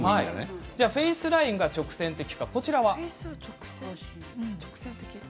フェースラインが直線的かどうか。